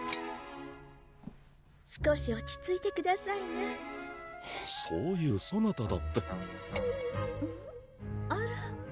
少し落ち着いてくださいなそういうそなただってあら？